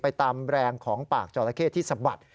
ตามแรงของปากจอราเข้ที่สะบัด